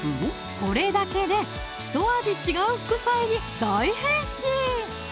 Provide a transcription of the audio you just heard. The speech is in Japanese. これだけでひと味違う副菜に大変身！